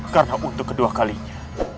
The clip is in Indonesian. karena untuk kedua kalinya